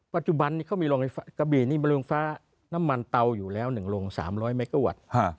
ปัจจุบันนี้เขามีลงกระบีนิบลงฟ้าน้ำมันเตาอยู่แล้ว๑ลง๓๐๐แมกโวต